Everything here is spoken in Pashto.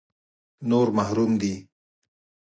نور محروم دي.